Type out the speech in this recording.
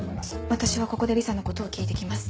私はここでリサのことを聞いて来ます。